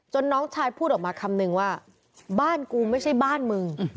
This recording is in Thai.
น้องชายพูดออกมาคำนึงว่าบ้านกูไม่ใช่บ้านมึง